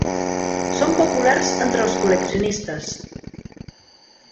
Són populars entre els col·leccionistes.